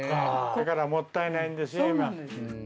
だからもったいないんです今。